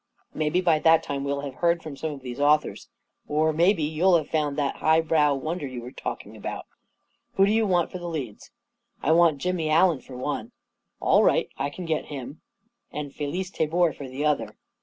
Maybe by that time well have heard from some of these authors — or maybe <■ ou'll have found that highbrow wonder you were talking about. Who do you want for the leads ?"" I want Jimmy Allen, for one." " All right; I can get him." A KING IN BABYLON 19 44 And Felice Tabor for the other."